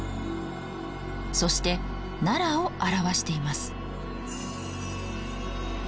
そして奈良を表しています。